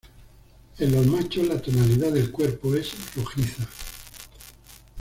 En los machos la tonalidad del cuerpo es rojiza.